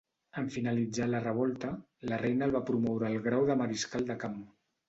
En finalitzar la revolta, la reina el va promoure al grau de Mariscal de Camp.